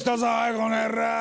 この野郎！